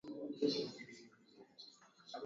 katika mji mkuu wa Liberia Monrovia